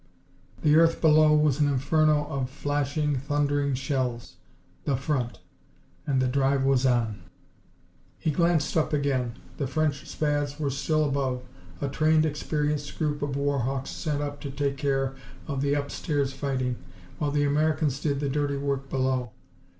The earth below was an inferno of flashing, thundering shells. The front! And the drive was on! He glanced up again. The French Spads were still above, a trained, experienced group of war hawks sent up to take care of the "upstairs" fighting while the Americans did the dirty work below.